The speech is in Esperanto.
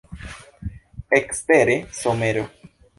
Ekstere somero.